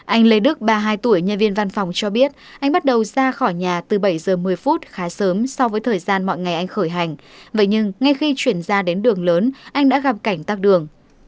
anh lê đức ba mươi hai tuổi nhân viên văn phòng cho biết anh bắt đầu ra khỏi nhà từ bảy giờ một mươi phút khá sớm so với thời gian mọi ngày anh khởi hành vậy nhưng ngay khi chuyển ra đến đường lớn anh đã gặp cảnh tắt đường